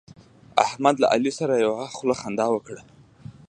احمد له علي سره یوه خوله خندا وکړه.